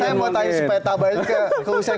saya mau tanya supaya tabayun ke usai